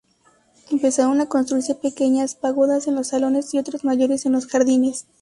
Empezaron a construirse pequeñas pagodas en los salones, y otras mayores en los jardines.